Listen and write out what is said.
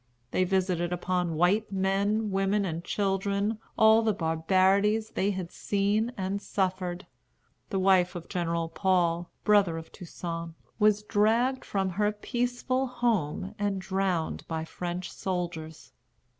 They visited upon white men, women, and children all the barbarities they had seen and suffered. The wife of General Paul, brother of Toussaint, was dragged from her peaceful home, and drowned by French soldiers.